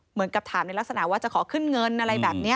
เหมือนกับถามในลักษณะว่าจะขอขึ้นเงินอะไรแบบนี้